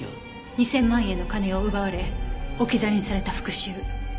２０００万円の金を奪われ置き去りにされた復讐。